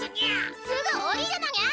すぐ下りるのにゃ！